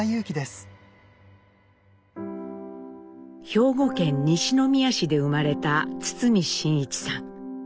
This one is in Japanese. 兵庫県西宮市で生まれた堤真一さん。